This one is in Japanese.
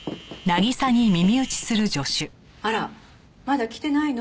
あらまだ来てないの？